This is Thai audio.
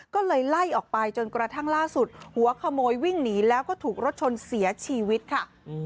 ก็เลยไล่ออกไปจนกระทั่งล่าสุดหัวขโมยวิ่งหนีแล้วก็ถูกรถชนเสียชีวิตค่ะ